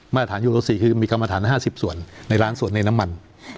มาตรฐานยุโรศีคือมีคำอาธารณ์๕๐ส่วนในล้านส่วนในน้ำมัน